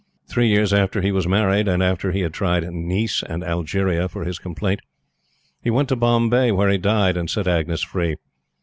Three years after he was married and after he had tried Nice and Algeria for his complaint he went to Bombay, where he died, and set Agnes free.